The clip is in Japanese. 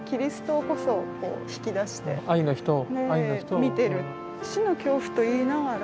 見てる。